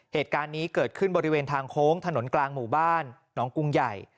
เหตุการณ์นี้เกิดขึ้นบริเวณทางโค้งถนนกลางหมู่บ้านหนองกรุงใหญ่